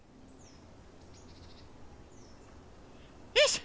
よいしょ！